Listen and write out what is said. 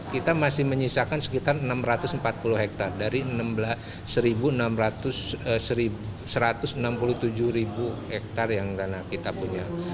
kita masih menyisakan sekitar enam ratus empat puluh hektare dari satu ratus enam puluh tujuh ribu hektare yang tanah kita punya